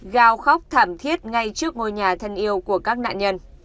gào khóc thảm thiết ngay trước ngôi nhà thân yêu của các nạn nhân